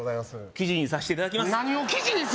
記事にさせていただきます